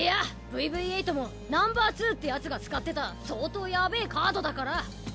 いやＶＶ−８もナンバーツーってヤツが使ってた相当やべぇカードだから。